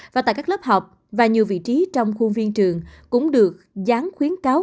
và tại các lớp học và nhiều vị trí trong khuôn viên trường cũng được gián khuyến cáo